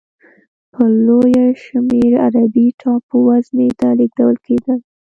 په لویه شمېر عربي ټاپو وزمې ته لېږدول کېدل.